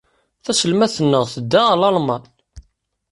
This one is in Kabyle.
Taselmadt-nneɣ tedda ɣer Lalman?